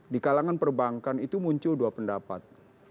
di kalangan perbankan itu muncul dua pendapat